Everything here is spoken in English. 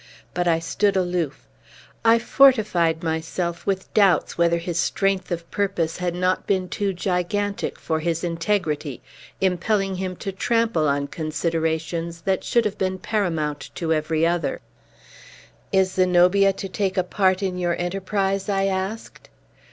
But I stood aloof. I fortified myself with doubts whether his strength of purpose had not been too gigantic for his integrity, impelling him to trample on considerations that should have been paramount to every other. "Is Zenobia to take a part in your enterprise?" I asked.